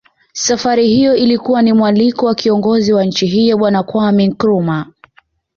Safari hiyo ilikuwa ni mwaliko wa kiongozi wa nchi hiyo Bwana Kwameh Nkrumah